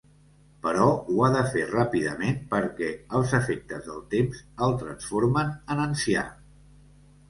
Però ho ha de fer ràpidament perquè els efectes del temps el transformen en ancià.